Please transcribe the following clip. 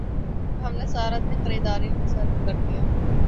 ہم نے سارا دن خریداری میں صرف کر دیا